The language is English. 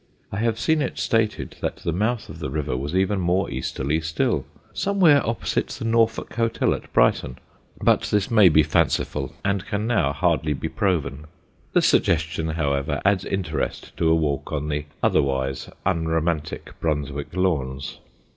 I have seen it stated that the mouth of the river was even more easterly still somewhere opposite the Norfolk Hotel at Brighton; but this may be fanciful and can now hardly be proven. The suggestion, however, adds interest to a walk on the otherwise unromantic Brunswick Lawns.